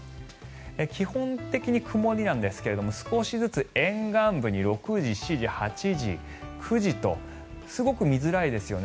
基本的に曇りなんですが少しずつ沿岸部に６時、７時、８時、９時とすごく見づらいですよね。